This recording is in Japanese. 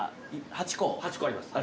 ８個あります。